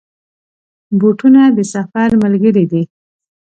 بوټونه د سفر ملګري دي.